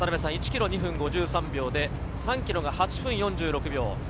１ｋｍ２分５３秒で３ｋｍが８分４６秒。